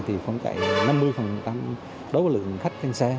thì không chạy năm mươi đấu lượng khách trên xe